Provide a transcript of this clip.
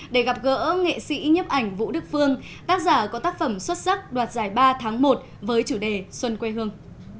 để gặp gỡ nghệ sĩ nhấp ảnh vũ đức phương tác giả có tác phẩm xuất sắc đoạt giải ba tháng một với chủ đề xuân quê hương